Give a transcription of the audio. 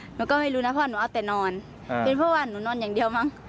หนูก็ไม่รู้นะเพราะหนูเอาแต่นอนเป็นเพราะว่าหนูนอนอย่างเดียวมั้ง